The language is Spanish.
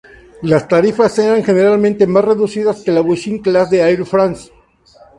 Las tarifas eran generalmente más reducidas que la Business Class de Air France.